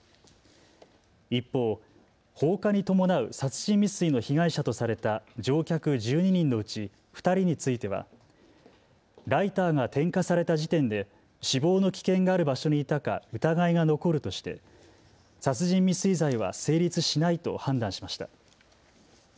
一方、放火に伴う殺人未遂の被害者とされた乗客１２人のうち２人についてはライターが点火された時点で死亡の危険がある場所にいたか疑いが残るとして殺人未遂罪は成立しないと判断しました。